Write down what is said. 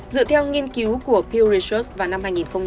dựa theo nghiên cứu của pew research vào năm hai nghìn hai mươi ba